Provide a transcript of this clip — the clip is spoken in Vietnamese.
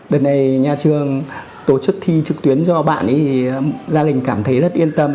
đợt này nhà trường tổ chức thi trực tuyến cho bạn gia đình cảm thấy rất yên tâm